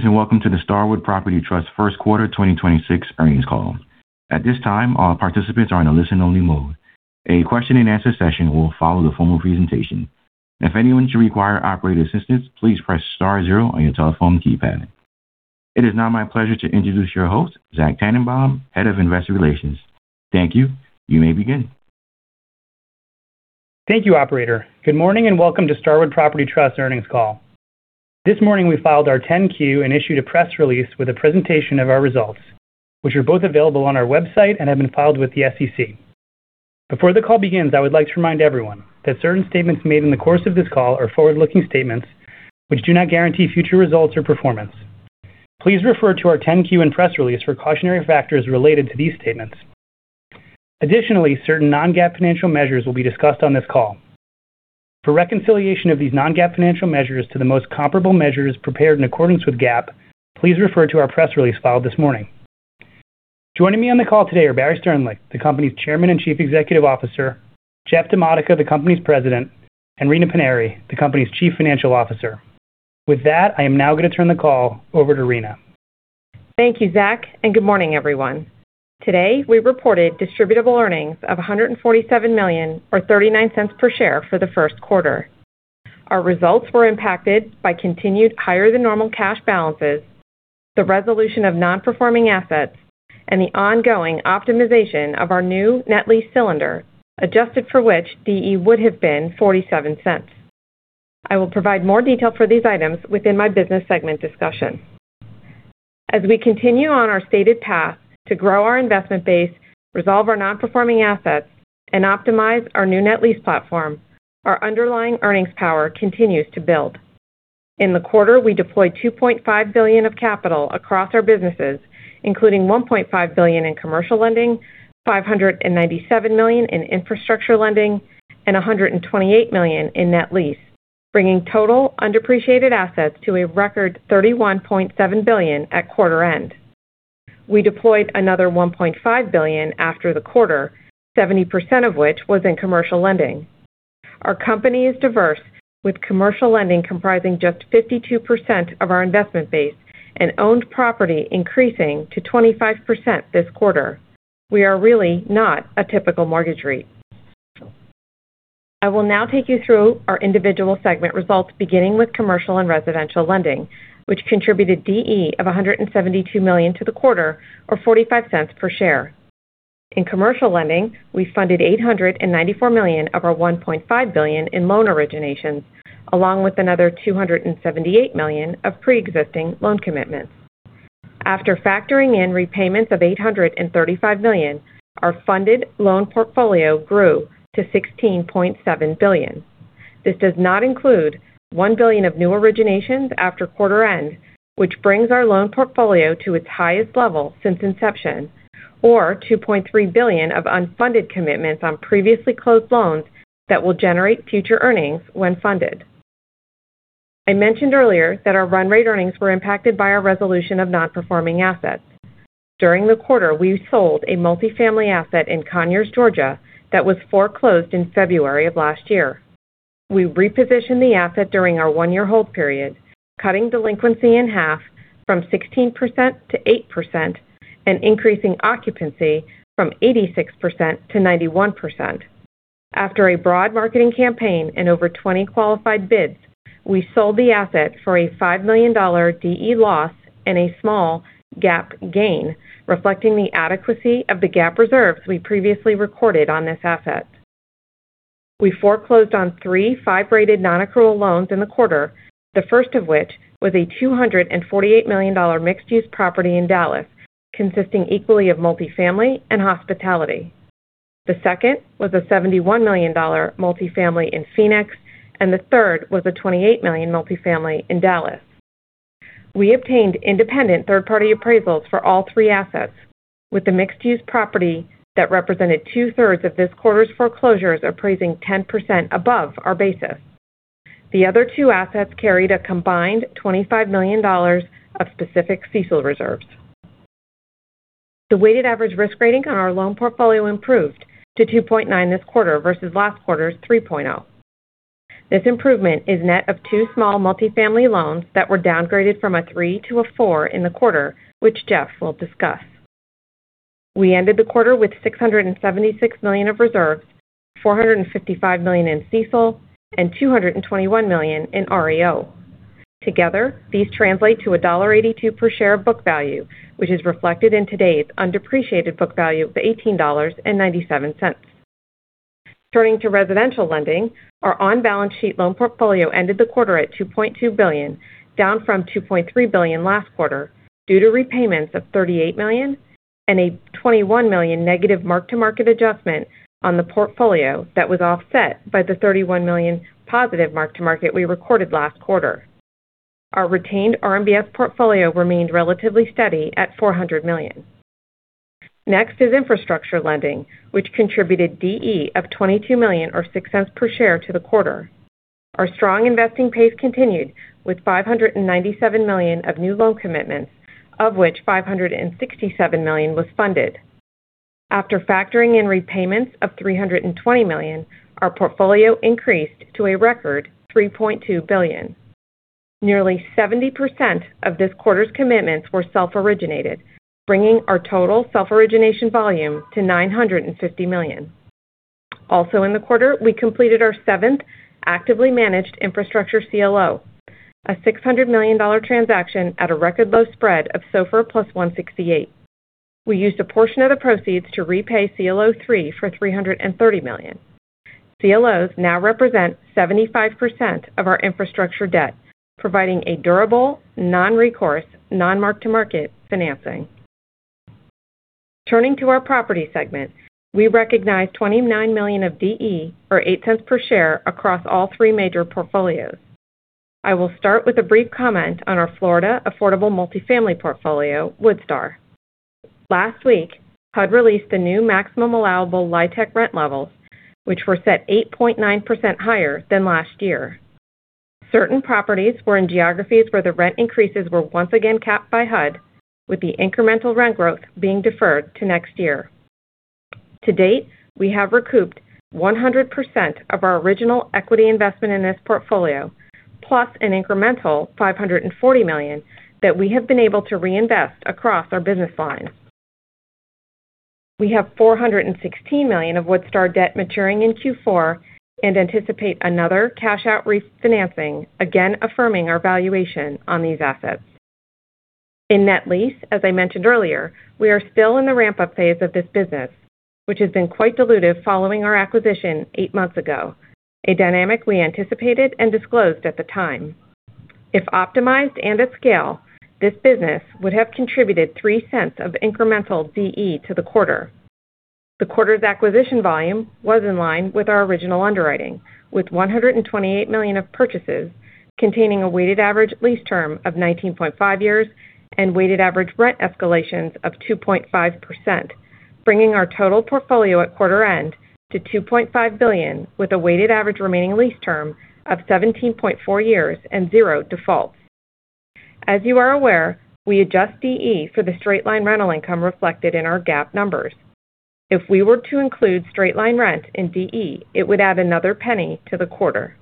Greetings, and welcome to the Starwood Property Trust First Quarter 2026 Earnings Call. At this time, all participants are in a listen-only mode. A question-and-answer session will follow the formal presentation. If anyone should require operator assistance, please press star zero on your telephone keypad. It is now my pleasure to introduce your host, Zach Tanenbaum, Head of Investor Relations. Thank you. You may begin. Thank you, operator. Good morning, welcome to Starwood Property Trust Earnings Call. This morning, we filed our 10-Q and issued a press release with a presentation of our results, which are both available on our website and have been filed with the SEC. Before the call begins, I would like to remind everyone that certain statements made in the course of this call are forward-looking statements which do not guarantee future results or performance. Please refer to our 10-Q and press release for cautionary factors related to these statements. Additionally, certain non-GAAP financial measures will be discussed on this call. For reconciliation of these non-GAAP financial measures to the most comparable measures prepared in accordance with GAAP, please refer to our press release filed this morning. Joining me on the call today are Barry Sternlicht, the company's Chairman and Chief Executive Officer, Jeff DiModica, the company's President, and Rina Paniry, the company's Chief Financial Officer. With that, I am now gonna turn the call over to Rina. Thank you, Zach. Good morning, everyone. Today, we reported distributable earnings of $147 million or $0.39 per share for the first quarter. Our results were impacted by continued higher than normal cash balances, the resolution of non-performing assets, and the ongoing optimization of our new net lease platform, adjusted for which DE would have been $0.47. I will provide more detail for these items within my business segment discussion. As we continue on our stated path to grow our investment base, resolve our non-performing assets, and optimize our new net lease platform, our underlying earnings power continues to build. In the quarter, we deployed $2.5 billion of capital across our businesses, including $1.5 billion in Commercial Lending, $597 million in infrastructure lending, and $128 million in net lease, bringing total undepreciated assets to a record $31.7 billion at quarter end. We deployed another $1.5 billion after the quarter, 70% of which was in Commercial Lending. Our company is diverse, with Commercial Lending comprising just 52% of our investment base and Owned Property increasing to 25% this quarter. We are really not a typical mortgage REIT. I will now take you through our individual segment results, beginning with Commercial and Residential Lending, which contributed DE of $172 million to the quarter or $0.45 per share. In Commercial Lending, we funded $894 million of our $1.5 billion in loan originations, along with another $278 million of pre-existing loan commitments. After factoring in repayments of $835 million, our funded loan portfolio grew to $16.7 billion. This does not include $1 billion of new originations after quarter end, which brings our loan portfolio to its highest level since inception, or $2.3 billion of unfunded commitments on previously closed loans that will generate future earnings when funded. I mentioned earlier that our run rate earnings were impacted by our resolution of non-performing assets. During the quarter, we sold a multifamily asset in Conyers, Georgia, that was foreclosed in February of last year. We repositioned the asset during our one-year hold period, cutting delinquency in half from 16% to 8% and increasing occupancy from 86% to 91%. After a broad marketing campaign and over 20 qualified bids, we sold the asset for a $5 million DE loss and a small GAAP gain, reflecting the adequacy of the GAAP reserves we previously recorded on this asset. We foreclosed on three 5-rated non-accrual loans in the quarter, the first of which was a $248 million Mixed-Use property in Dallas, consisting equally of multifamily and hospitality. The second was a $71 million Multifamily in Phoenix, and the third was a $28 million Multifamily in Dallas. We obtained independent third-party appraisals for all three assets, with the mixed-use property that represented 2/3 of this quarter's foreclosures appraising 10% above our basis. The other two assets carried a combined $25 million of specific CECL reserves. The weighted average risk rating on our loan portfolio improved to 2.9 this quarter versus last quarter's 3.0. This improvement is net of two small multifamily loans that were downgraded from a three to a four in the quarter, which Jeff will discuss. We ended the quarter with $676 million of reserves, $455 million in CECL, and $221 million in REO. Together, these translate to a $1.82 per share of book value, which is reflected in today's undepreciated book value of $18.97. Turning to Residential Lending, our on-balance sheet loan portfolio ended the quarter at $2.2 billion, down from $2.3 billion last quarter due to repayments of $38 million and a $21 million negative mark-to-market adjustment on the portfolio that was offset by the $31 million positive mark-to-market we recorded last quarter. Our retained RMBS portfolio remained relatively steady at $400 million. Next is infrastructure lending, which contributed DE of $22 million or $0.06 per share to the quarter. Our strong investing pace continued with $597 million of new loan commitments, of which $567 million was funded. After factoring in repayments of $320 million, our portfolio increased to a record $3.2 billion. Nearly 70% of this quarter's commitments were self-originated, bringing our total self-origination volume to $950 million. In the quarter, we completed our seventh actively managed infrastructure CLO, a $600 million transaction at a record low spread of SOFR +168. We used a portion of the proceeds to repay CLO 3 for $330 million. CLOs now represent 75% of our infrastructure debt, providing a durable, non-recourse, non-mark-to-market financing. Turning to our property segment, we recognize $29 million of DE, or $0.08 per share across all three major portfolios. I will start with a brief comment on our Florida Affordable Multifamily Portfolio, Woodstar. Last week, HUD released the new maximum allowable LIHTC rent levels, which were set 8.9% higher than last year. Certain properties were in geographies where the rent increases were once again capped by HUD, with the incremental rent growth being deferred to next year. To date, we have recouped 100% of our original equity investment in this portfolio, plus an incremental $540 million that we have been able to reinvest across our business lines. We have $416 million of Woodstar debt maturing in Q4 and anticipate another cash-out refinancing, again affirming our valuation on these assets. In net lease, as I mentioned earlier, we are still in the ramp-up phase of this business, which has been quite dilutive following our acquisition eight months ago, a dynamic we anticipated and disclosed at the time. If optimized and at scale, this business would have contributed $0.03 of incremental DE to the quarter. The quarter's acquisition volume was in line with our original underwriting, with $128 million of purchases containing a weighted average lease term of 19.5 years and weighted average rent escalations of 2.5%, bringing our total portfolio at quarter end to $2.5 billion, with a weighted average remaining lease term of 17.4 years and zero defaults. As you are aware, we adjust DE for the straight-line rental income reflected in our GAAP numbers. If we were to include straight-line rent in DE, it would add another $0.01 to the quarter.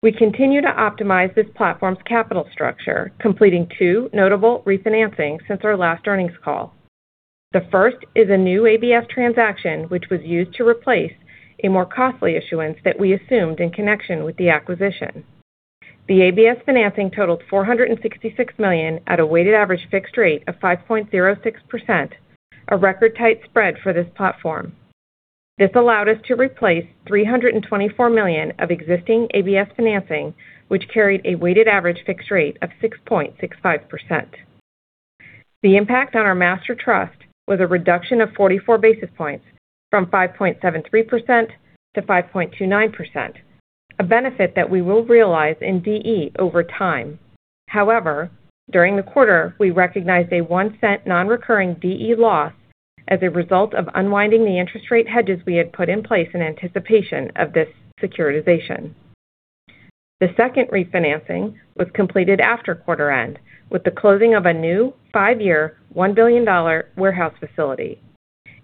We continue to optimize this platform's capital structure, completing two notable refinancings since our last earnings call. The first is a new ABS transaction which was used to replace a more costly issuance that we assumed in connection with the acquisition. The ABS financing totaled $466 million at a weighted average fixed rate of 5.06%, a record tight spread for this platform. This allowed us to replace $324 million of existing ABS financing, which carried a weighted average fixed rate of 6.65%. The impact on our master trust was a reduction of 44 basis points from 5.73% to 5.29%, a benefit that we will realize in DE over time. However, during the quarter, we recognized a $0.01 non-recurring DE loss as a result of unwinding the interest rate hedges we had put in place in anticipation of this securitization. The second refinancing was completed after quarter end with the closing of a new five-year, $1 billion warehouse facility.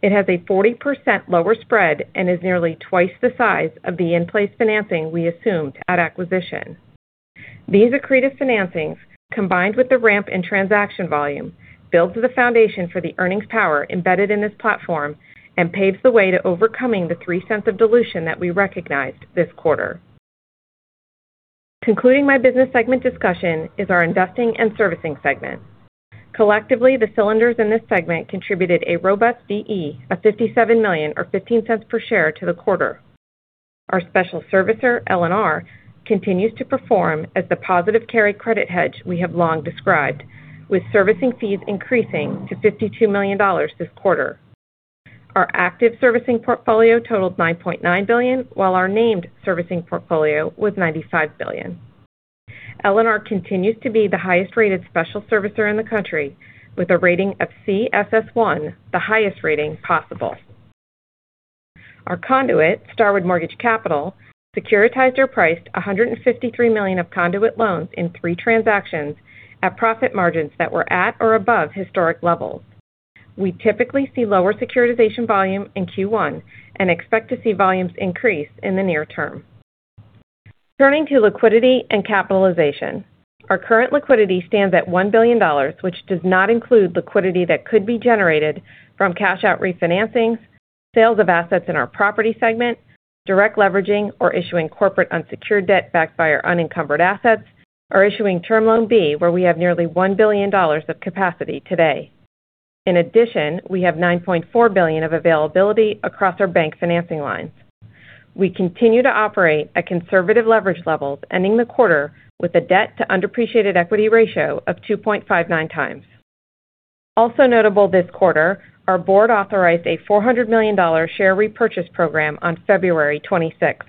It has a 40% lower spread and is nearly twice the size of the in-place financing we assumed at acquisition. These accretive financings, combined with the ramp in transaction volume, builds the foundation for the earnings power embedded in this platform and paves the way to overcoming the $0.03 of dilution that we recognized this quarter. Concluding my Business Segment discussion is our Investing and Servicing Segment. Collectively, the cylinders in this segment contributed a robust DE of $57 million or $0.15 per share to the quarter. Our special servicer, LNR, continues to perform as the positive carry credit hedge we have long described, with servicing fees increasing to $52 million this quarter. Our active servicing portfolio totaled $9.9 billion, while our named servicing portfolio was $95 billion. LNR continues to be the highest-rated special servicer in the country with a rating of CSS1, the highest rating possible. Our conduit, Starwood Mortgage Capital, securitized or priced $153 million of conduit loans in three transactions at profit margins that were at or above historic levels. We typically see lower securitization volume in Q1 and expect to see volumes increase in the near term. Turning to liquidity and capitalization. Our current liquidity stands at $1 billion, which does not include liquidity that could be generated from cash-out refinancings, sales of assets in our Property Segment, direct leveraging or issuing corporate unsecured debt backed by our unencumbered assets, or issuing Term Loan B, where we have nearly $1 billion of capacity today. In addition, we have $9.4 billion of availability across our bank financing lines. We continue to operate at conservative leverage levels, ending the quarter with a debt-to-undepreciated equity ratio of 2.59x. Notable this quarter, our board authorized a $400 million share repurchase program on February 26.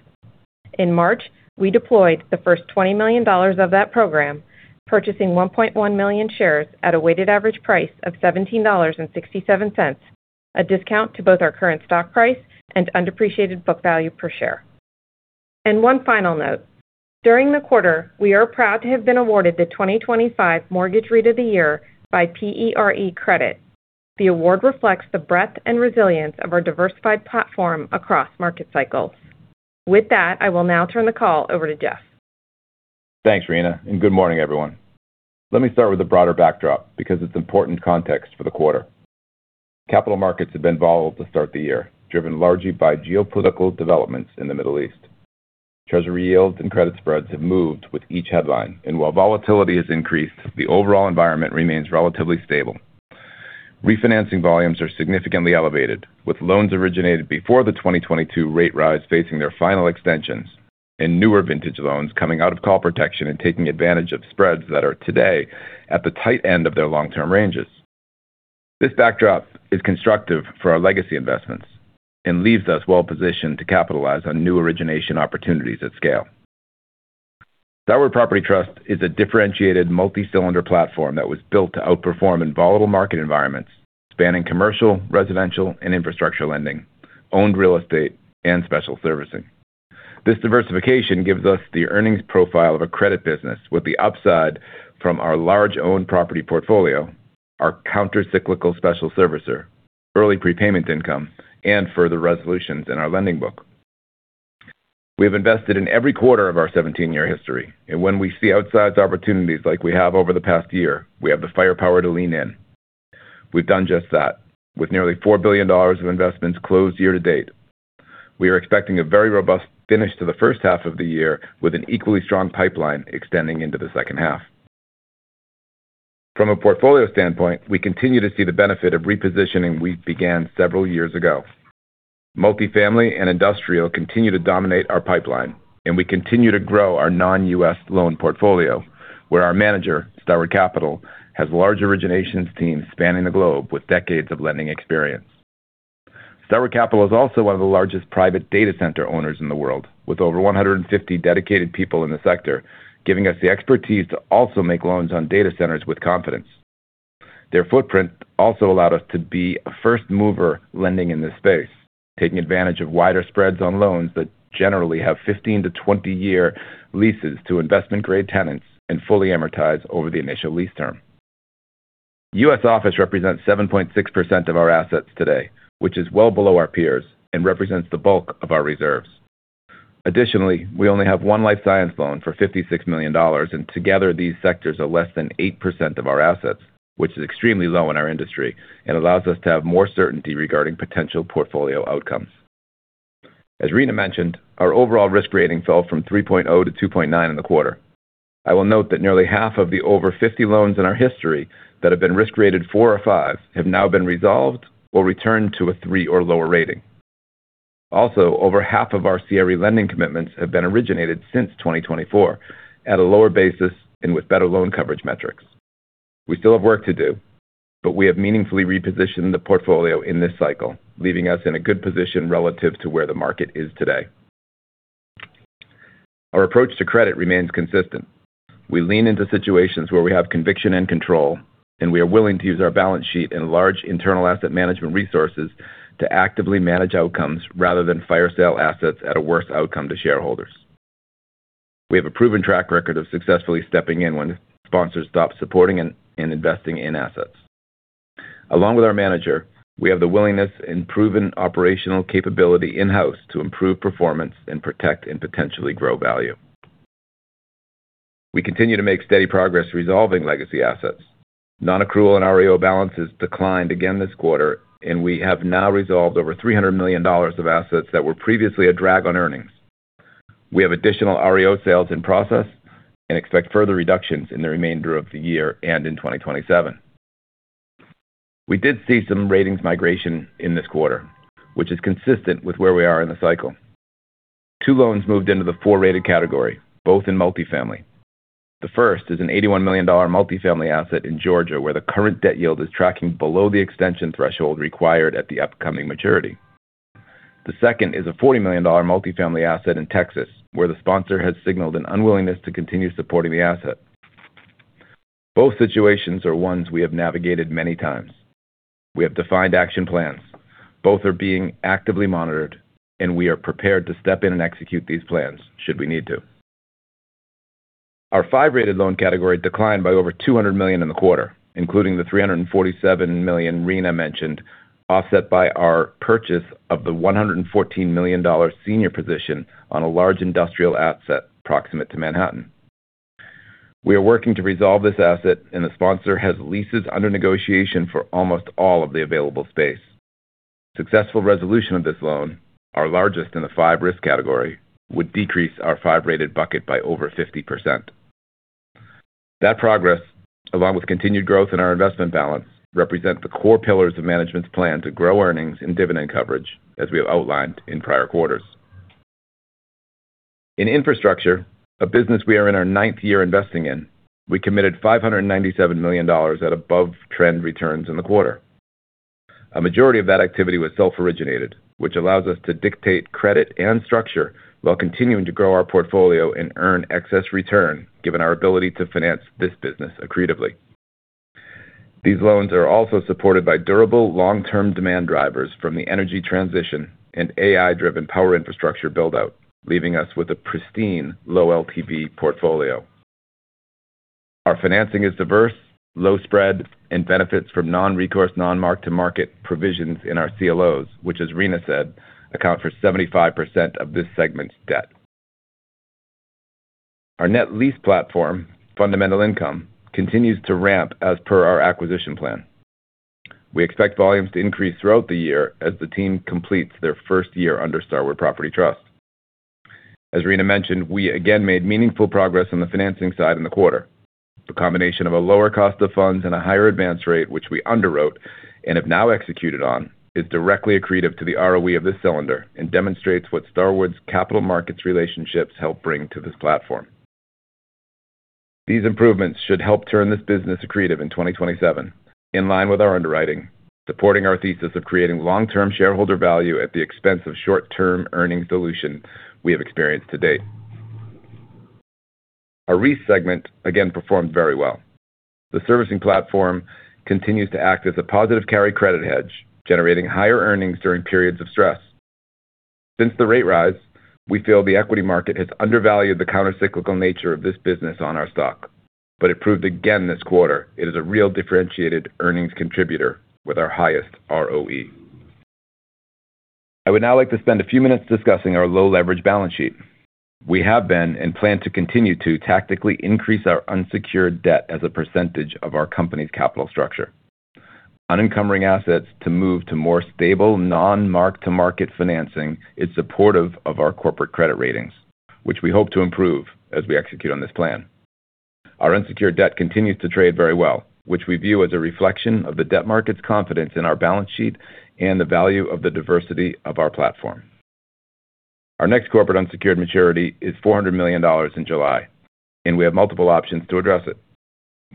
In March, we deployed the first $20 million of that program, purchasing 1.1 million shares at a weighted average price of $17.67, a discount to both our current stock price and undepreciated book value per share. One final note. During the quarter, we are proud to have been awarded the 2025 Mortgage REIT of the Year by PERE Credit. The award reflects the breadth and resilience of our diversified platform across market cycles. With that, I will now turn the call over to Jeff. Thanks, Rina, and good morning, everyone. Let me start with the broader backdrop because it's important context for the quarter. Capital markets have been volatile to start the year, driven largely by geopolitical developments in the Middle East. Treasury yields and credit spreads have moved with each headline, and while volatility has increased, the overall environment remains relatively stable. Refinancing volumes are significantly elevated, with loans originated before the 2022 rate rise facing their final extensions and newer vintage loans coming out of call protection and taking advantage of spreads that are today at the tight end of their long-term ranges. This backdrop is constructive for our legacy investments and leaves us well-positioned to capitalize on new origination opportunities at scale. Starwood Property Trust is a differentiated multi-cylinder platform that was built to outperform in volatile market environments spanning Commercial, Residential, and Infrastructure Lending, Owned Properties, and Special Servicing. This diversification gives us the earnings profile of a credit business with the upside from our large owned property portfolio, our counter-cyclical special servicer, early prepayment income, and further resolutions in our lending book. We have invested in every quarter of our 17-year history, and when we see outsized opportunities like we have over the past year, we have the firepower to lean in. We've done just that. With nearly $4 billion of investments closed year to date, we are expecting a very robust finish to the first half of the year with an equally strong pipeline extending into the second half. From a portfolio standpoint, we continue to see the benefit of repositioning we began several years ago. Multifamily and Industrial continue to dominate our pipeline, and we continue to grow our non-U.S. loan portfolio, where our manager, Starwood Capital, has large originations teams spanning the globe with decades of lending experience. Starwood Capital is also one of the largest private data center owners in the world, with over 150 dedicated people in the sector, giving us the expertise to also make loans on data centers with confidence. Their footprint also allowed us to be a first mover lending in this space, taking advantage of wider spreads on loans that generally have 15-20-year leases to investment-grade tenants and fully amortize over the initial lease term. U.S. office represents 7.6% of our assets today, which is well below our peers and represents the bulk of our reserves. We only have one life science loan for $56 million, and together these sectors are less than 8% of our assets, which is extremely low in our industry and allows us to have more certainty regarding potential portfolio outcomes. As Rina mentioned, our overall risk rating fell from 3.0 to 2.9 in the quarter. I will note that nearly half of the over 50 loans in our history that have been risk-rated four or five have now been resolved or returned to a three or lower rating. Over half of our CRE lending commitments have been originated since 2024 at a lower basis and with better loan coverage metrics. We still have work to do, we have meaningfully repositioned the portfolio in this cycle, leaving us in a good position relative to where the market is today. Our approach to credit remains consistent. We lean into situations where we have conviction and control, and we are willing to use our balance sheet and large internal asset management resources to actively manage outcomes rather than fire sale assets at a worse outcome to shareholders. We have a proven track record of successfully stepping in when sponsors stop supporting and investing in assets. Along with our manager, we have the willingness and proven operational capability in-house to improve performance and protect and potentially grow value. We continue to make steady progress resolving legacy assets. Non-accrual and REO balances declined again this quarter, and we have now resolved over $300 million of assets that were previously a drag on earnings. We have additional REO sales in process and expect further reductions in the remainder of the year and in 2027. We did see some ratings migration in this quarter, which is consistent with where we are in the cycle. Two loans moved into the 4-rated category, both in Multifamily. The first is an $81 million Multifamily asset in Georgia, where the current debt yield is tracking below the extension threshold required at the upcoming maturity. The second is a $40 million Multifamily asset in Texas, where the sponsor has signaled an unwillingness to continue supporting the asset. Both situations are ones we have navigated many times. We have defined action plans. Both are being actively monitored, and we are prepared to step in and execute these plans should we need to. Our 5-rated loan category declined by over $200 million in the quarter, including the $347 million Rina mentioned, offset by our purchase of the $114 million senior position on a large industrial asset proximate to Manhattan. We are working to resolve this asset. The sponsor has leases under negotiation for almost all of the available space. Successful resolution of this loan, our largest in the 5-risk category, would decrease our 5-rated bucket by over 50%. That progress, along with continued growth in our investment balance, represents the core pillars of management's plan to grow earnings and dividend coverage as we have outlined in prior quarters. In infrastructure, a business we are in our nineth year investing in, we committed $597 million at above-trend returns in the quarter. A majority of that activity was self-originated, which allows us to dictate credit and structure while continuing to grow our portfolio and earn excess return given our ability to finance this business accretively. These loans are also supported by durable long-term demand drivers from the energy transition and AI-driven power infrastructure build-out, leaving us with a pristine low LTV portfolio. Our financing is diverse, low spread, and benefits from non-recourse non-mark-to-market provisions in our CLOs, which as Rina said, account for 75% of this segment's debt. Our net lease platform, Fundamental Income, continues to ramp as per our acquisition plan. We expect volumes to increase throughout the year as the team completes their first year under Starwood Property Trust. As Rina mentioned, we again made meaningful progress on the financing side in the quarter. The combination of a lower cost of funds and a higher advance rate, which we underwrote and have now executed on, is directly accretive to the ROE of this cylinder and demonstrates what Starwood's capital markets relationships help bring to this platform. These improvements should help turn this business accretive in 2027, in line with our underwriting, supporting our thesis of creating long-term shareholder value at the expense of short-term earnings dilution we have experienced to date. Our REIT segment again performed very well. The servicing platform continues to act as a positive carry credit hedge, generating higher earnings during periods of stress. Since the rate rise, we feel the equity market has undervalued the counter-cyclical nature of this business on our stock. It proved again this quarter it is a real differentiated earnings contributor with our highest ROE. I would now like to spend a few minutes discussing our low leverage balance sheet. We have been and plan to continue to tactically increase our unsecured debt as a percentage of our company's capital structure. Unencumbering assets to move to more stable non-mark-to-market financing is supportive of our corporate credit ratings, which we hope to improve as we execute on this plan. Our unsecured debt continues to trade very well, which we view as a reflection of the debt market's confidence in our balance sheet and the value of the diversity of our platform. Our next corporate unsecured maturity is $400 million in July, and we have multiple options to address it.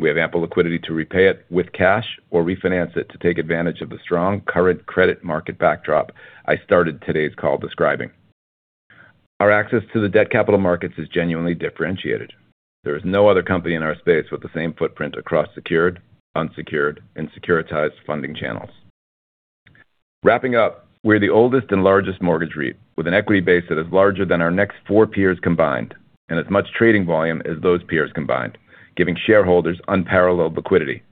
We have ample liquidity to repay it with cash or refinance it to take advantage of the strong current credit market backdrop I started today's call describing. Our access to the debt capital markets is genuinely differentiated. There is no other company in our space with the same footprint across secured, unsecured, and securitized funding channels. Wrapping up, we're the oldest and largest mortgage REIT with an equity base that is larger than our next four peers combined and as much trading volume as those peers combined, giving shareholders unparalleled liquidity.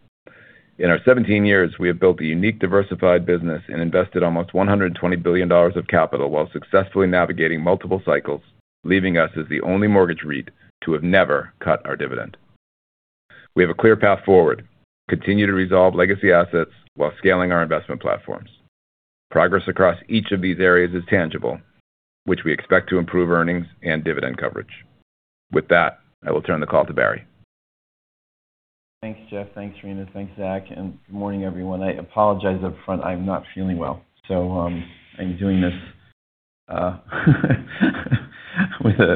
In our 17 years, we have built a unique diversified business and invested almost $120 billion of capital while successfully navigating multiple cycles, leaving us as the only mortgage REIT to have never cut our dividend. We have a clear path forward, continue to resolve legacy assets while scaling our investment platforms. Progress across each of these areas is tangible, which we expect to improve earnings and dividend coverage. With that, I will turn the call to Barry. Thanks, Jeff. Thanks, Rina. Thanks, Zach. Good morning, everyone. I apologize upfront, I'm not feeling well. I'm doing this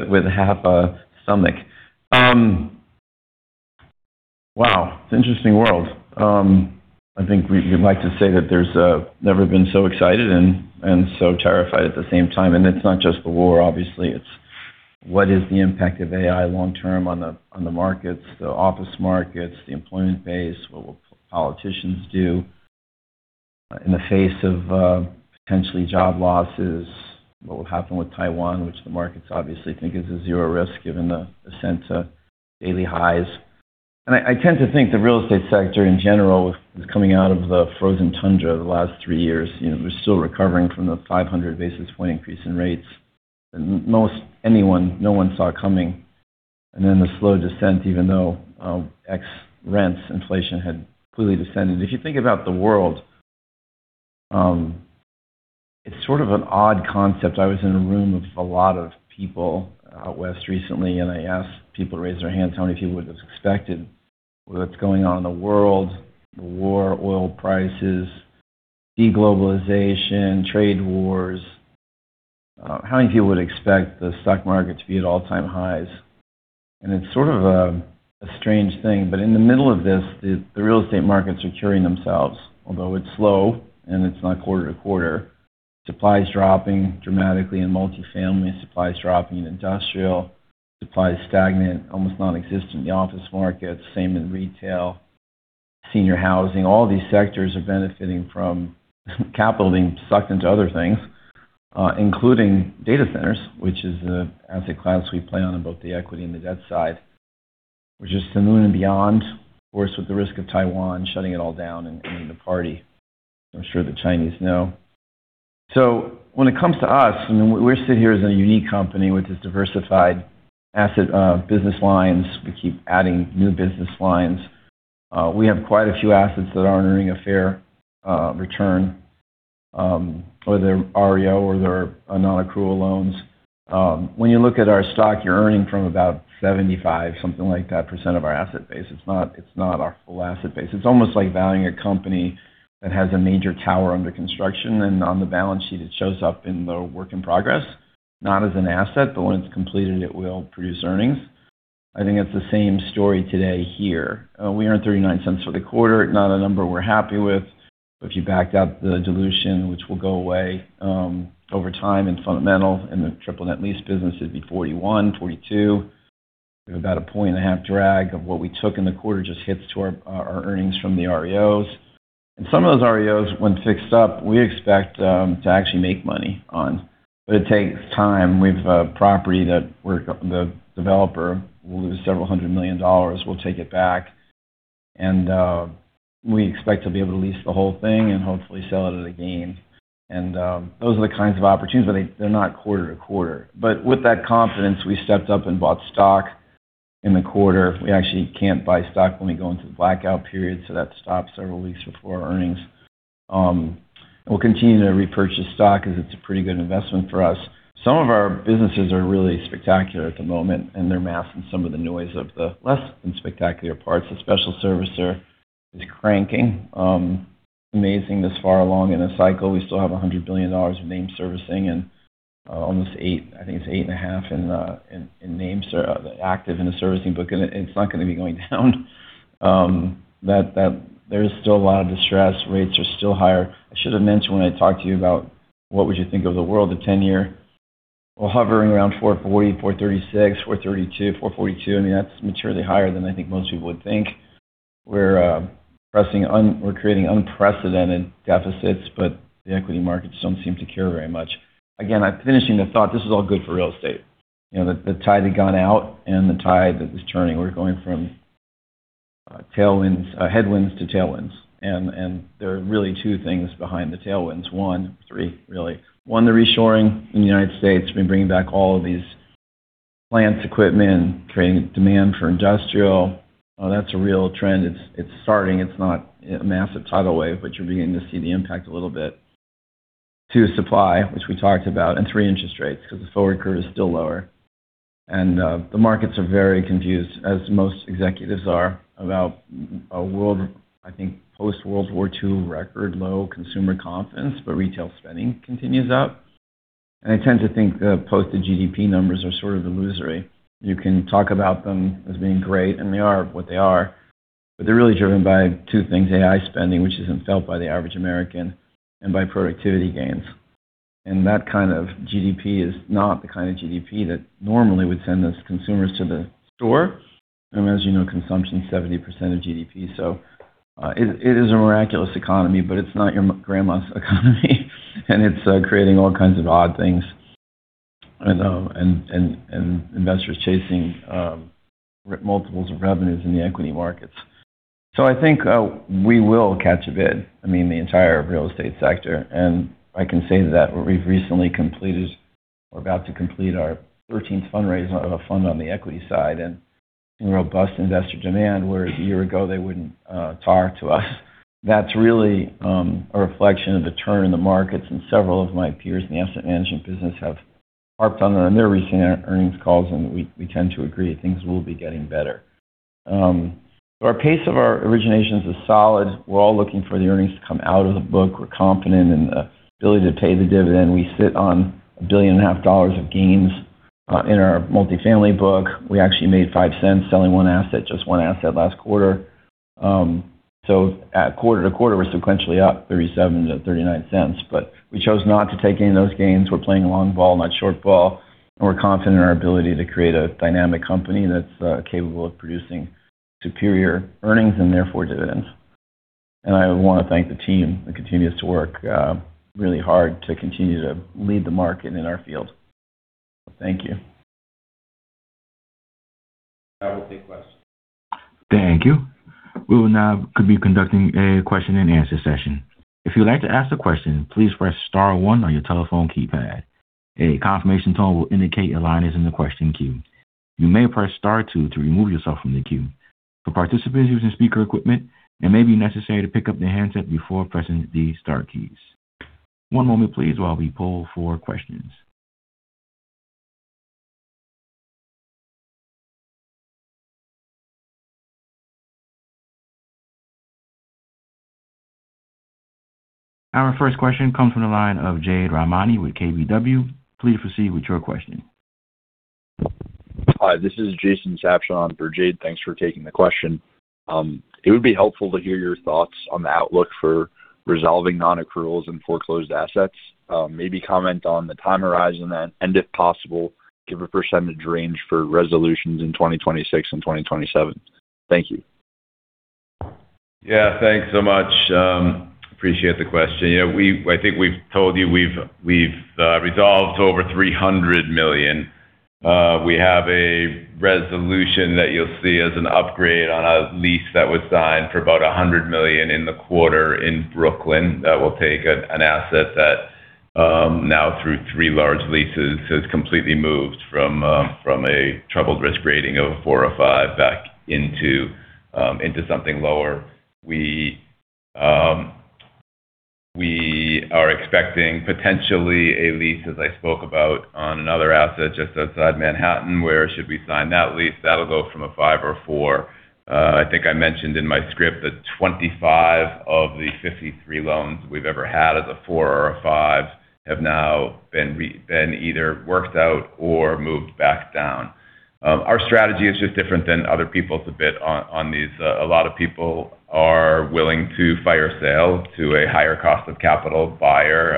with half a stomach. Wow, it's interesting world. I think we'd like to say that there's never been so excited and so terrified at the same time. It's not just the war, obviously. It's what is the impact of AI long term on the markets, the office markets, the employment base? What will politicians do in the face of potentially job losses? What will happen with Taiwan, which the markets obviously think is a zero risk given the ascent to daily highs. I tend to think the real estate sector in general is coming out of the frozen tundra the last three years. You know, we're still recovering from the 500 basis point increase in rates. No one saw coming. The slow descent, even though ex-rents inflation had clearly descended. If you think about the world, it's sort of an odd concept. I was in a room with a lot of people out west recently, and I asked people to raise their hands, how many people would've expected with what's going on in the world, the war, oil prices, de-globalization, trade wars, how many people would expect the stock market to be at all-time highs? It's sort of a strange thing, but in the middle of this, the real estate markets are curing themselves. Although it's slow, and it's not quarter-to-quarter. Supply is dropping dramatically in Multifamily. Supply is dropping in Industrial. Supply is stagnant, almost nonexistent in the office market. Same in retail, senior housing. All these sectors are benefiting from capital being sucked into other things, including data centers, which is the asset class we play on in both the equity and the debt side, which is the moon and beyond. Of course, with the risk of Taiwan shutting it all down and ending the party. I'm sure the Chinese know. When it comes to us, and we sit here as a unique company with this diversified asset, business lines. We keep adding new business lines. We have quite a few assets that aren't earning a fair return, or they're REO or they're non-accrual loans. When you look at our stock, you're earning from about 75%, something like that, of our asset base. It's not our full asset base. It's almost like valuing a company that has a major tower under construction, and on the balance sheet it shows up in the work in progress, not as an asset, but when it's completed it will produce earnings. I think it's the same story today here. We earned $0.39 for the quarter. Not a number we're happy with. If you backed out the dilution, which will go away, over time in Fundamental Income in the triple net lease business, it'd be $0.41, $0.42. We have about a 1.5 point drag of what we took in the quarter just hits to our earnings from the REOs. Some of those REOs, when fixed up, we expect to actually make money on. It takes time. We've a property that the developer will lose several $100 million. We'll take it back and we expect to be able to lease the whole thing and hopefully sell it at a gain. Those are the kinds of opportunities, but they're not quarter-to-quarter. With that confidence, we stepped up and bought stock in the quarter. We actually can't buy stock when we go into the blackout period, so that stops several weeks before our earnings. We'll continue to repurchase stock because it's a pretty good investment for us. Some of our businesses are really spectacular at the moment, and they're masking some of the noise of the less than spectacular parts. The special servicer is cranking. Amazing this far along in a cycle, we still have $100 billion of named servicing and almost eight, I think it's 8.5 in names active in the servicing book. It's not going to be going down. There's still a lot of distress. Rates are still higher. I should have mentioned when I talked to you about what would you think of the world, the 10-year. We're hovering around 4.40, 4.36, 4.32, 4.42. I mean, that's materially higher than I think most people would think. We're creating unprecedented deficits, the equity markets don't seem to care very much. Again, finishing the thought, this is all good for real estate. You know, the tide had gone out the tide that was turning. We're going from headwinds to tailwinds. There are really two things behind the tailwinds. One, three, really. One, the reshoring in the United States been bringing back all of these plants, equipment, creating demand for industrial. That's a real trend. It's starting. It's not a massive tidal wave, but you're beginning to see the impact a little bit. Two, supply, which we talked about. Three, interest rates, because the forward curve is still lower. The markets are very confused, as most executives are, about a world, I think post-World War II record low consumer confidence, but retail spending continues up. I tend to think the post GDP numbers are sort of illusory. You can talk about them as being great, and they are what they are, but they're really driven by two things: AI spending, which isn't felt by the average American, and by productivity gains. That kind of GDP is not the kind of GDP that normally would send us consumers to the store. As you know, consumption is 70% of GDP. It is a miraculous economy, but it's not your grandma's economy. It's creating all kinds of odd things. I know. Investors chasing multiples of revenues in the equity markets. I think we will catch a bid. I mean, the entire real estate sector. I can say that we've recently completed or about to complete our 13th fundraise, fund on the equity side and robust investor demand, where a year ago they wouldn't talk to us. That's really a reflection of the turn in the markets. Several of my peers in the asset management business have harped on their recent earnings calls, and we tend to agree things will be getting better. Our pace of our originations is solid. We're all looking for the earnings to come out of the book. We're confident in the ability to pay the dividend. We sit on a $1.5 billion of gains in our multifamily book. We actually made $0.05 selling one asset, just one asset last quarter. At quarter-to-quarter, we're sequentially up $0.37-$0.39. We chose not to take any of those gains. We're playing long ball, not short ball. We're confident in our ability to create a dynamic company that's capable of producing superior earnings and therefore dividends. I want to thank the team that continues to work really hard to continue to lead the market in our field. Thank you. Now we'll take questions. Thank you. We will now be conducting a question-and-answer session. If you'd like to ask a question, please press star one on your telephone keypad. A confirmation tone will indicate your line is in the question queue. You may press star two to remove yourself from the queue. For participants using speaker equipment, it may be necessary to pick up the handset before pressing the star keys. One moment please, while we poll for questions. Our first question comes from the line of Jade Rahmani with KBW. Please proceed with your questioning. Hi, this is Jason Sabshon for Jade. Thanks for taking the question. It would be helpful to hear your thoughts on the outlook for resolving non-accruals and foreclosed assets. Maybe comment on the time horizon then, and if possible, give a percentage range for resolutions in 2026 and 2027. Thank you. Yeah, thanks so much. Appreciate the question. You know, I think we've told you we've resolved over $300 million. We have a resolution that you'll see as an upgrade on a lease that was signed for about $100 million in the quarter in Brooklyn that will take an asset that, now through three large leases has completely moved from a troubled risk rating of a four or five back into something lower. We are expecting potentially a lease, as I spoke about on another asset just outside Manhattan, where should we sign that lease? That'll go from a five or a four. I think I mentioned in my script that 25 of the 53 loans we've ever had as a four or a five have now been either worked out or moved back down. Our strategy is just different than other people's a bit on these. A lot of people are willing to fire sale to a higher cost of capital buyer,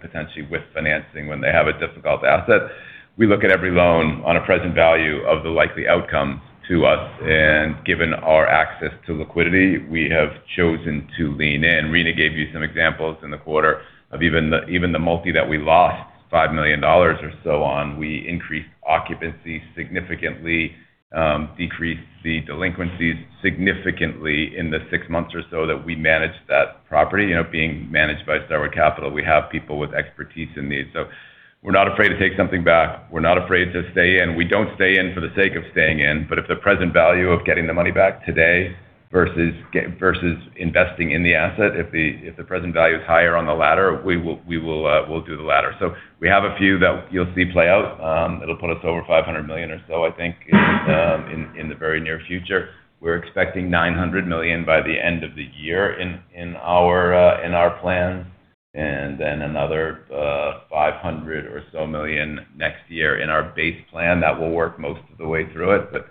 potentially with financing when they have a difficult asset. We look at every loan on a present value of the likely outcome to us. Given our access to liquidity, we have chosen to lean in. Rina gave you some examples in the quarter of even the multi that we lost $5 million or so on. We increased occupancy significantly, decreased the delinquencies significantly in the six months or so that we managed that property. You know, being managed by Starwood Capital, we have people with expertise in these. We're not afraid to take something back. We're not afraid to stay in. We don't stay in for the sake of staying in. If the present value of getting the money back today versus investing in the asset, if the present value is higher on the latter, we will do the latter. We have a few that you'll see play out. It'll put us over $500 million or so, I think, in the very near future. We're expecting $900 million by the end of the year in our, in our plans, and then another $500 million next year in our base plan. That will work most of the way through it.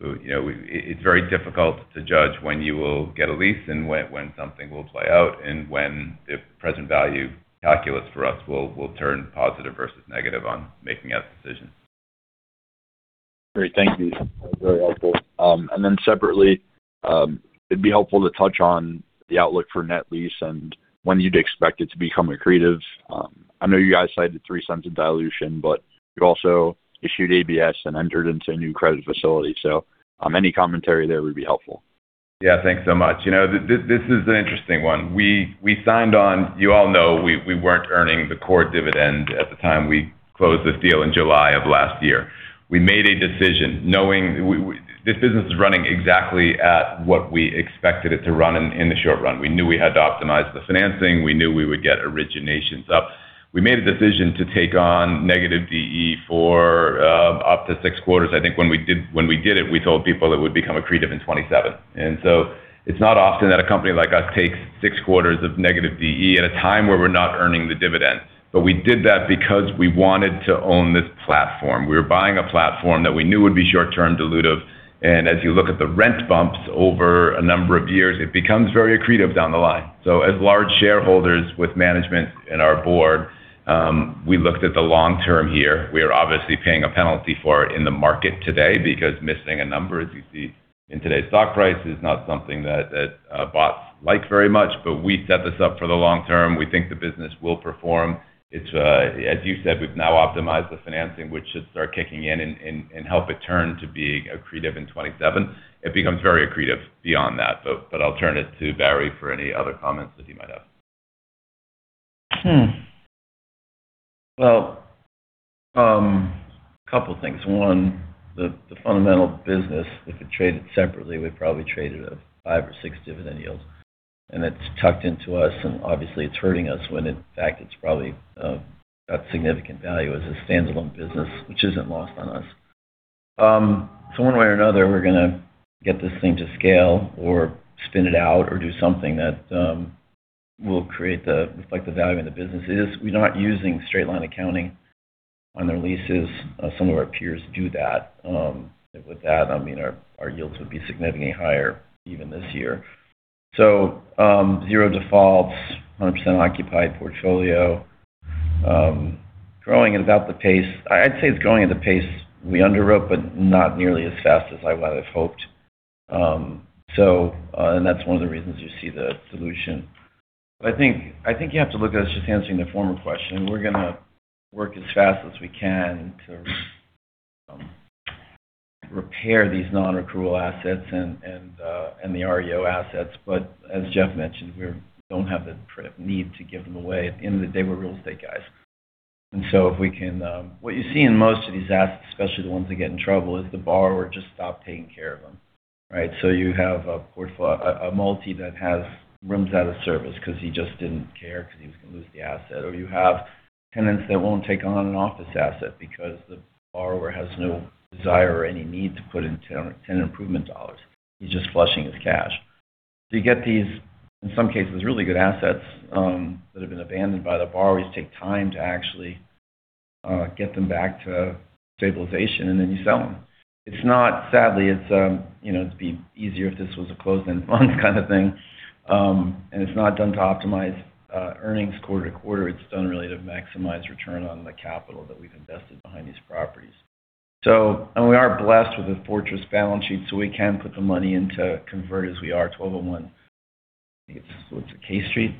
You know, it's very difficult to judge when you will get a lease and when something will play out and when the present value calculus for us will turn positive versus negative on making that decision. Great. Thank you. That was very helpful. Separately, it'd be helpful to touch on the outlook for net lease and when you'd expect it to become accretive. I know you guys cited $0.03 of dilution, but you also issued ABS and entered into a new credit facility. Any commentary there would be helpful. Yeah. Thanks so much. You know, this is an interesting one. We signed on You all know we weren't earning the core dividend at the time we closed this deal in July of last year. We made a decision knowing This business is running exactly at what we expected it to run in the short run. We knew we had to optimize the financing. We knew we would get originations up. We made a decision to take on negative DE for up to six quarters. I think when we did it, we told people it would become accretive in 2027. It's not often that a company like us takes six quarters of negative DE at a time where we're not earning the dividend. We did that because we wanted to own this platform. We were buying a platform that we knew would be short-term dilutive. As you look at the rent bumps over a number of years, it becomes very accretive down the line. As large shareholders with management and our Board, we looked at the long term here. We are obviously paying a penalty for it in the market today because missing a number, as you see in today's stock price, is not something that bots like very much. We set this up for the long term. We think the business will perform. It's, as you said, we've now optimized the financing, which should start kicking in and help it turn to being accretive in 2027. It becomes very accretive beyond that. I'll turn it to Barry for any other comments that he might have. Well, couple things. One, the Fundamental business, if it traded separately, we probably traded at five or six dividend yields. It's tucked into us, and obviously it's hurting us when in fact it's probably got significant value as a standalone business, which isn't lost on us. One way or another, we're gonna get this thing to scale or spin it out or do something that will create the reflect the value in the business. We're not using straight line accounting on their leases. Some of our peers do that. With that, I mean, our yields would be significantly higher even this year. Zero defaults, 100% occupied portfolio. Growing at about the pace I'd say it's growing at the pace we underwrote, not nearly as fast as I would have hoped. That's one of the reasons you see the dilution. I think you have to look at us just answering the former question. We're gonna work as fast as we can to repair these non-accrual assets and the REO assets. As Jeff mentioned, we don't have the need to give them away. At the end of the day, we're real estate guys. If we can, what you see in most of these assets, especially the ones that get in trouble, is the borrower just stopped taking care of them, right? You have a multi that has rooms out of service 'cause he just didn't care 'cause he was gonna lose the asset. You have tenants that won't take on an office asset because the borrower has no desire or any need to put in tenant improvement dollars. He's just flushing his cash. You get these, in some cases, really good assets that have been abandoned by the borrowers, take time to actually get them back to stabilization, and then you sell them. Sadly, it's, you know, it'd be easier if this was a closed-end fund kind of thing. It's not done to optimize earnings quarter to quarter. It's done really to maximize return on the capital that we've invested behind these properties. We are blessed with a fortress balance sheet, so we can put the money in to convert as we are 1201. I think it's K Street,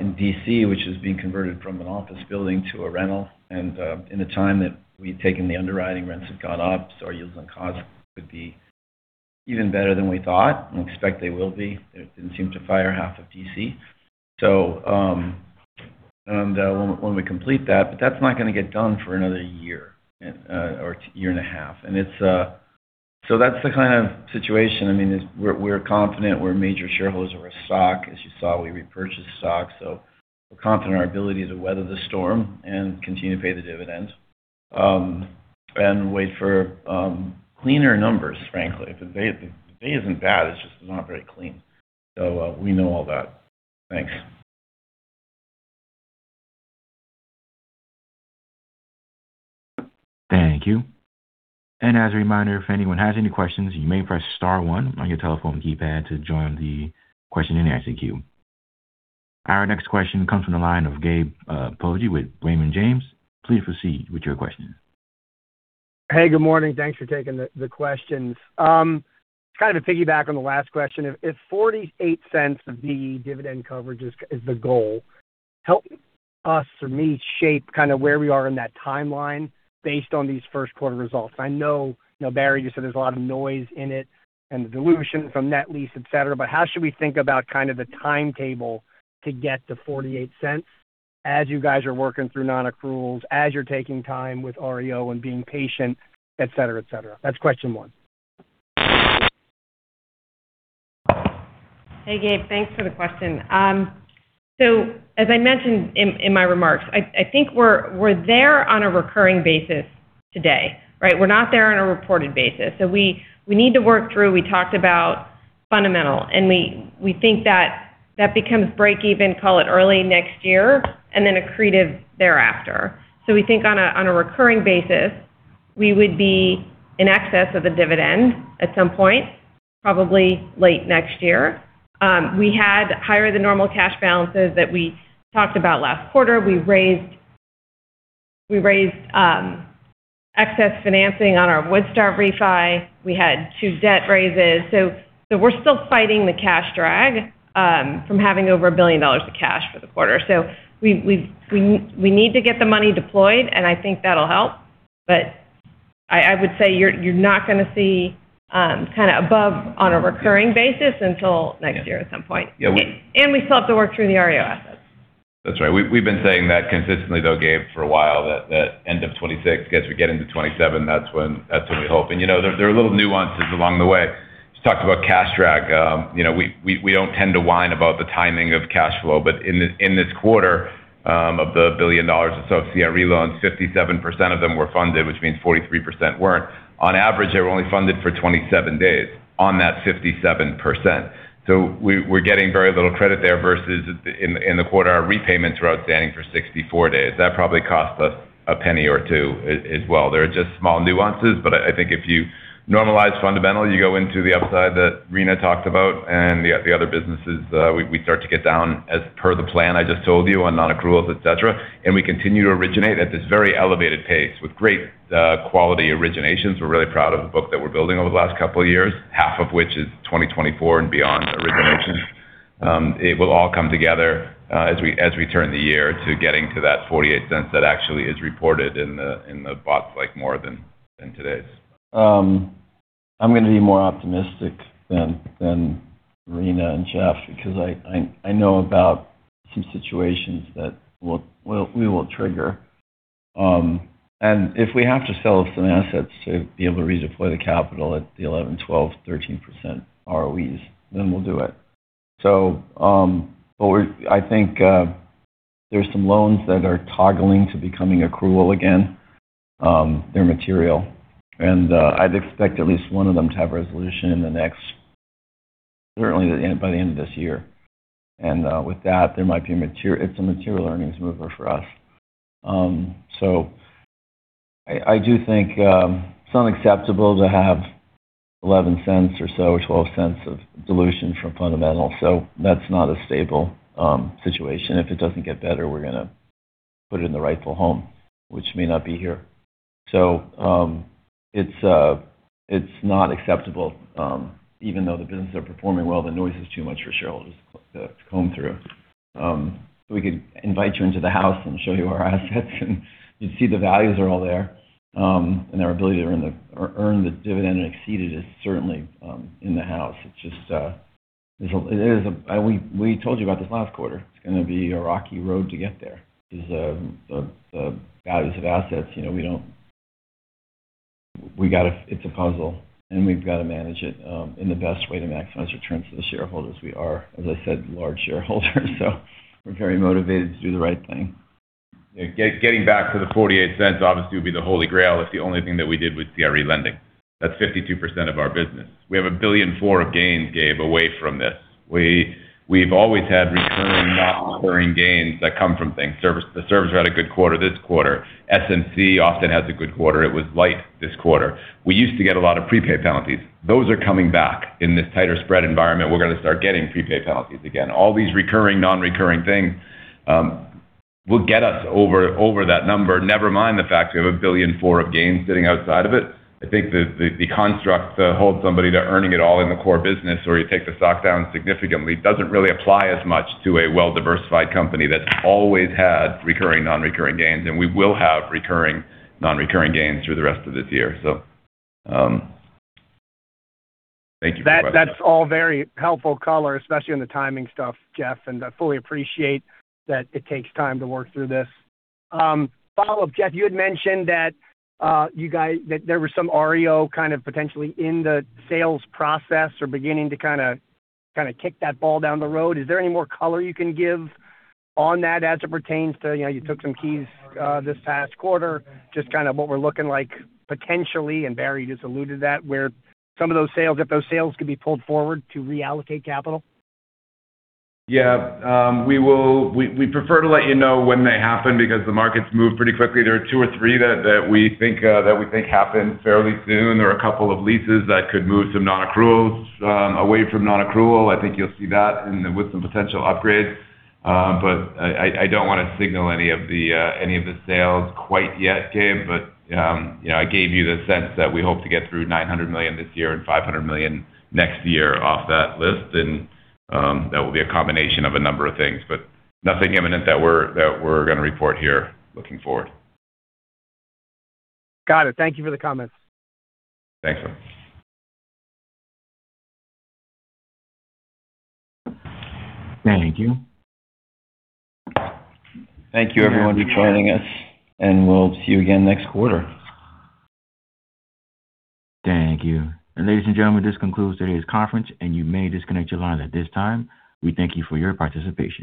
in D.C., which is being converted from an office building to a rental. In the time that we've taken the underwriting, rents have gone up, so our yields on cost could be even better than we thought, and expect they will be. It didn't seem to fire half of D.C. When we complete that, but that's not gonna get done for another year, or year and a half. That's the kind of situation. I mean, we're confident. We're a major shareholder of stock. As you saw, we repurchased stock. We're confident in our ability to weather the storm and continue to pay the dividend, and wait for cleaner numbers, frankly. The bay isn't bad, it's just not very clean. We know all that. Thanks. Thank you. As a reminder, if anyone has any questions, you may press star one on your telephone keypad to join the question and answer queue. Our next question comes from the line of Gabe Poggi with Raymond James. Please proceed with your question. Hey, good morning. Thanks for taking the questions. Kind of a piggyback on the last question. If $0.48 of the dividend coverage is the goal, help us or me shape kind of where we are in that timeline based on these first quarter results. I know, you know, Barry, you said there's a lot of noise in it and the dilution from net lease, et cetera, but how should we think about kind of the timetable to get to $0.48 as you guys are working through non-accruals, as you're taking time with REO and being patient, et cetera, et cetera? That's question one. Hey, Gabe. Thanks for the question. As I mentioned in my remarks, I think we're there on a recurring basis today, right? We're not there on a reported basis. We, we need to work through, we talked about Fundamental Income, we think that that becomes break even, call it early next year, then accretive thereafter. We think on a, on a recurring basis, we would be in excess of the dividend at some point, probably late next year. We had higher than normal cash balances that we talked about last quarter. We raised excess financing on our Woodstar refi. We had two debt raises. We're still fighting the cash drag from having over $1 billion of cash for the quarter. We need to get the money deployed, and I think that'll help. I would say you're not gonna see kinda above on a recurring basis until next year at some point. Yeah. We still have to work through the REO assets. We, we've been saying that consistently though, Gabe, for a while, that end of 2026, as we get into 2027, that's when we hope. You know, there are little nuances along the way. Just talked about cash drag. You know, we don't tend to whine about the timing of cash flow, but in this quarter, of the $1 billion of CRE loans, 57% of them were funded, which means 43% weren't. On average, they were only funded for 27 days on that 57%. We're getting very little credit there versus in the quarter, our repayments were outstanding for 64 days. That probably cost us $0.01 or $0.02 as well. They're just small nuances, but I think if you normalize Fundamental Income, you go into the upside that Rina talked about and the other businesses, we start to get down as per the plan I just told you on non-accruals, et cetera. We continue to originate at this very elevated pace with great quality originations. We're really proud of the book that we're building over the last couple of years, half of which is 2024 and beyond originations. It will all come together as we turn the year to getting to that $0.48 that actually is reported in the, in the books like more than today's. I'm gonna be more optimistic than Rina and Jeff because I know about some situations that we will trigger. If we have to sell some assets to be able to redeploy the capital at the 11, 12, 13% ROEs, then we'll do it. I think there's some loans that are toggling to becoming accrual again, they're material. I'd expect at least one of them to have resolution in the next, certainly the end, by the end of this year. With that, there might be a material earnings mover for us. I do think it's unacceptable to have $0.11 or so, or $0.12 of dilution from Fundamental. That's not a stable situation. If it doesn't get better, we're gonna put it in the rightful home, which may not be here. It's not acceptable, even though the businesses are performing well, the noise is too much for shareholders to comb through. We could invite you into the house and show you our assets, and you'd see the values are all there. And our ability to earn the dividend and exceed it is certainly in the house. It's just, We told you about this last quarter. It's gonna be a rocky road to get there 'cause, the values of assets, you know, It's a puzzle, and we've got to manage it in the best way to maximize returns for the shareholders. We are, as I said, large shareholders, so we're very motivated to do the right thing. Getting back to the $0.48 obviously would be the Holy Grail if the only thing that we did was CRE lending. That's 52% of our business. We have $1.4 billion of gains, Gabe, away from this. We've always had recurring, non-recurring gains that come from things. The service had a good quarter this quarter. SMC often has a good quarter. It was light this quarter. We used to get a lot of prepaid penalties. Those are coming back. In this tighter spread environment, we're gonna start getting prepaid penalties again. All these recurring, non-recurring things will get us over that number. Never mind the fact we have $1.4 billion of gains sitting outside of it. I think the construct to hold somebody to earning it all in the core business or you take the stock down significantly doesn't really apply as much to a well-diversified company that's always had recurring, non-recurring gains, and we will have recurring, non-recurring gains through the rest of this year. Thank you for the question. That's all very helpful color, especially on the timing stuff, Jeff, and I fully appreciate that it takes time to work through this. Follow-up, Jeff, you had mentioned that there was some REO kind of potentially in the sales process or beginning to kinda kick that ball down the road. Is there any more color you can give on that as it pertains to, you know, you took some keys, this past quarter, just kind of what we're looking like potentially, and Barry just alluded that, where some of those sales, if those sales could be pulled forward to reallocate capital? We prefer to let you know when they happen because the markets move pretty quickly. There are two or three that we think happen fairly soon. There are a couple of leases that could move to non-accruals, away from non-accrual. I think you'll see that and with some potential upgrades. I don't wanna signal any of the sales quite yet, Gabe. You know, I gave you the sense that we hope to get through $900 million this year and $500 million next year off that list. That will be a combination of a number of things, but nothing imminent that we're gonna report here looking forward. Got it. Thank you for the comments. Thanks. Thank you. Thank you, everyone, for joining us, and we'll see you again next quarter. Thank you. Ladies and gentlemen, this concludes today's conference, and you may disconnect your lines at this time. We thank you for your participation.